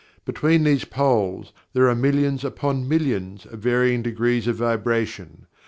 Between these poles, there are millions upon millions of varying degrees of vibration.